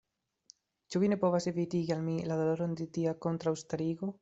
Ĉu vi ne povas evitigi al mi la doloron de tia kontraŭstarigo?